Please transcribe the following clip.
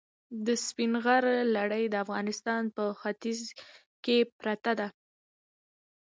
د سپین غر لړۍ د افغانستان په ختیځ کې پرته ده.